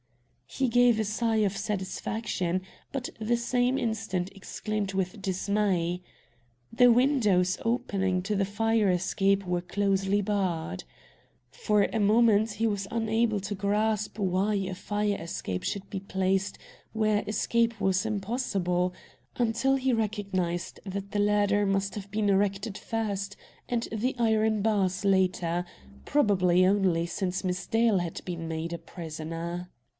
He gave a sigh of satisfaction, but the same instant exclaimed with dismay. The windows opening upon the fire escape were closely barred. For a moment he was unable to grasp why a fire escape should be placed where escape was impossible, until he recognized that the ladder must have been erected first and the iron bars later; probably only since Miss Dale had been made a prisoner.